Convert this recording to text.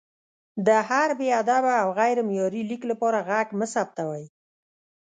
د هر بې ادبه او غیر معیاري لیک لپاره غږ مه ثبتوئ!